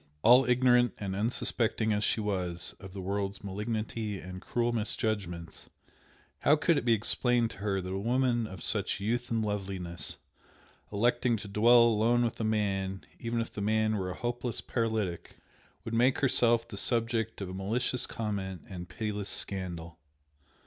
All ignorant and unsuspecting as she was of the world's malignity and cruel misjudgments, how could it be explained to her that a woman of such youth and loveliness, electing to dwell alone with a man, even if the man were a hopeless paralytic, would make herself the subject of malicious comment and pitiless scandal!